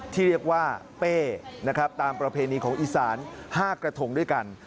ที่เรียกว่าเป้นะครับตามประเพณีของอีสาน๕กระทงด้วยกัน